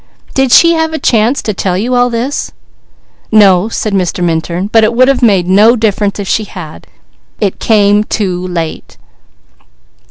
Did she have a chance to tell you all this?" "No," said Mr. Minturn. "But it would have made no difference, if she had. It came too late."